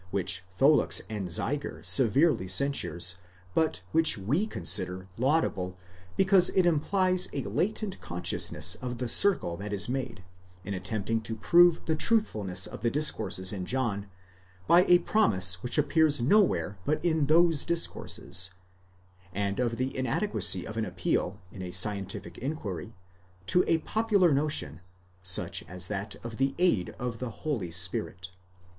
* which Tholiick's Anzeiger severely censures, but which we consider laudable, because it implies a latent consciousness of the circle that is made, in attempting to prove the truthfulness of the discourses in John, by a promise which appears nowhere but in those discourses ;15 and of the inadequacy of an appeal, in a scientific inquiry, to a popular notion, such as that of the aid of the Holy Spirit.